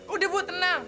udah bu tenang